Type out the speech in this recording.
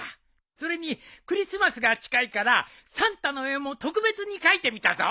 それにクリスマスが近いからサンタの絵も特別に描いてみたぞ。